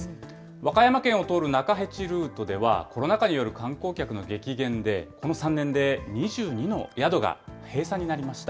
和歌山県を通る中辺路ルートでは、コロナ禍による観光客の激減で、この３年で２２の宿が閉鎖になりました。